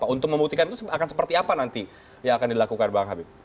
untuk membuktikan itu akan seperti apa nanti yang akan dilakukan bang habib